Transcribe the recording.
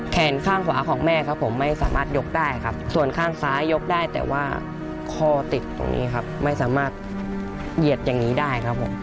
แขนข้างขวาของแม่ครับผมไม่สามารถยกได้ครับส่วนข้างซ้ายยกได้แต่ว่าคอติดตรงนี้ครับไม่สามารถเหยียดอย่างนี้ได้ครับผม